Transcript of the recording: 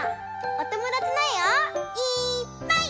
おともだちのえをいっぱい。